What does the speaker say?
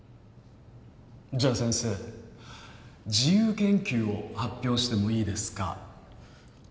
じゃあ先生自由研究を発表してもいいですか？